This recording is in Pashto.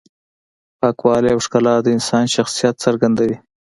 پاکوالی او ښکلا د انسان شخصیت څرګندوي.